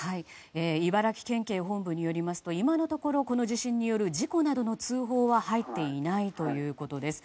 茨城県警本部によりますと今のところ、この地震による事故などの通報は入っていないということです。